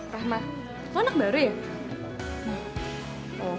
rahma lo anak baru ya